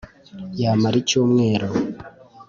yamara icyumweru